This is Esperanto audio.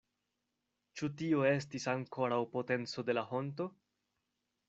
Ĉu tio estis ankoraŭ potenco de la honto?